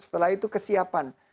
setelah itu kesiapan